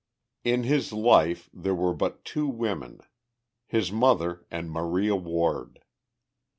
In his life there were but two women his mother and Maria Ward.